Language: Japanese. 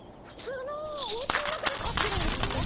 普通のお家の中で飼ってるんですか？